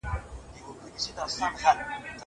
رنځوري یې تر اوسه ګرځوي نرګیس بیمار